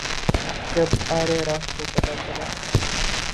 جب ارے راہ کو پتہ چلا